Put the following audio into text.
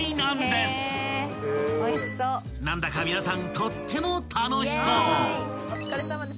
［何だか皆さんとっても楽しそう！］